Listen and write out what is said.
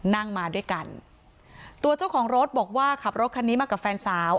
นั่งมาด้วยกันตัวเจ้าของรถบอกว่าขับรถคันนี้มากับแฟนสาว